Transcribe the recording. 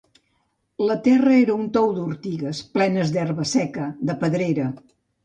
La terra era un tou d'ortigues, plena d'herba seca, de pedrera